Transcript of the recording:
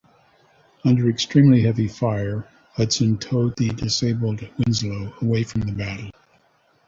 Under extremely heavy fire, "Hudson" towed the disabled "Winslow" away from the battle.